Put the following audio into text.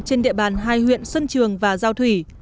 trên địa bàn hai huyện xuân trường và giao thủy